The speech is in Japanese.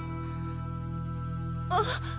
あっ！